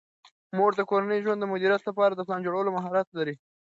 مور د کورني ژوند د مدیریت لپاره د پلان جوړولو مهارت لري.